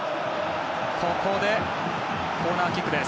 ここでコーナーキックです。